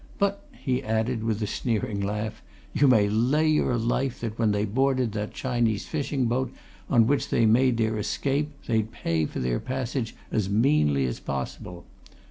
But!" he added, with a sneering laugh, "you may lay your life that when they boarded that Chinese fishing boat on which they made their escape they'd pay for their passage as meanly as possible.